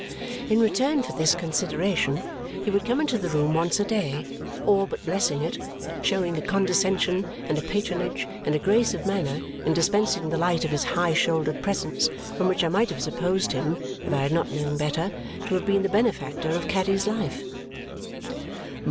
In return for this consideration he would come into the room once a day, all but blessing it showing a condescension, and a patronage, and a grace of manner in dispensing the light of his high shouldered presence from which I might have supposed him (if I had not known better) to have been the benefactor of Caddy's life.